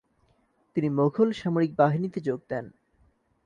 তিনি মোঘল সামরিক বাহিনীতে যোগ দেন।